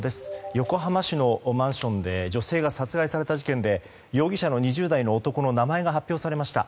横浜市のマンションで女性が殺害された事件で容疑者の２０代の男の名前が発表されました。